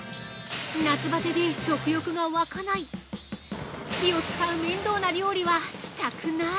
夏バテで食欲が湧かない火を使う面倒な料理はしたくない